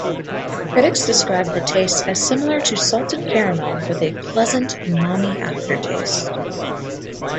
Critics described the taste as similar to salted caramel with a pleasant umami aftertaste.